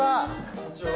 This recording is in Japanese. こんちは。